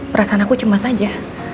perasaan aku cemas aja